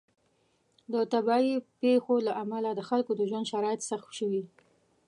د طبیعي پیښو له امله د خلکو د ژوند شرایط سخت شوي.